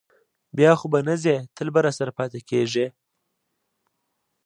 بیا خو به نه ځې، تل به راسره پاتې کېږې؟